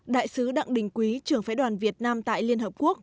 đại sứ đặng đình quý trưởng phái đoàn việt nam tại liên hợp quốc